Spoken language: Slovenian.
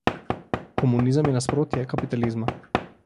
Komunizem je nasprotje kapitalizma.